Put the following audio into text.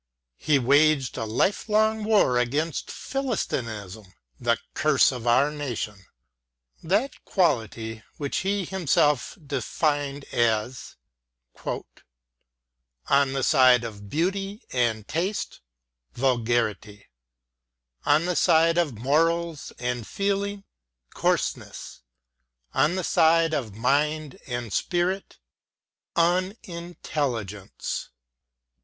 He waged a lifelong war against Philistinism, the curse of our nation ^Qiat quality which he himself defined as " on the side of beauty and 171 172 MATTHEW ARNOLD taste, vulgarity ; on the side of morals and feeling, coarseness ; on the side of mind and spirit, unintelligence."